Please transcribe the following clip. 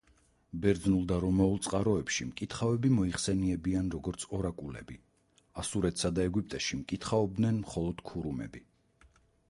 ბერძნულ და რომაულ წყაროებში მკითხავები მოიხსენებიან, როგორც ორაკულები; ასურეთსა და ეგვიპტეში მკითხაობდნენ მხოლოდ ქურუმები.